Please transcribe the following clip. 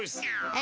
あ！